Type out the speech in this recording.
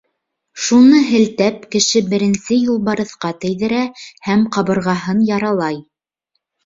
— Шуны һелтәп, кеше Беренсе Юлбарыҫҡа тейҙерә һәм ҡабырғаһын яралай.